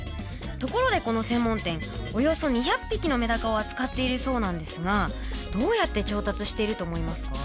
ところでこの専門店およそ２００匹のメダカを扱っているそうなんですがどうやって調達していると思いますか？